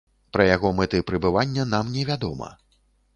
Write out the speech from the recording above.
Пра яго мэты прыбывання нам не вядома.